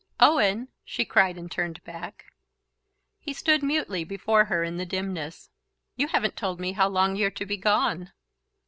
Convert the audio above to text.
"Owen!" she cried, and turned back. He stood mutely before her in the dimness. "You haven't told me how long you're to be gone."